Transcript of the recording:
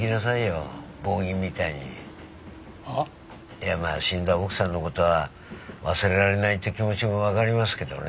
いやまあ死んだ奥さんの事が忘れられないって気持ちもわかりますけどね。